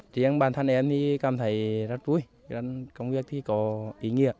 chính bản thân em thì cảm thấy rất vui công việc thì có ý nghĩa